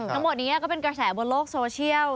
ทั้งหมดนี้ก็เป็นกระแสบนโลกโซเชียล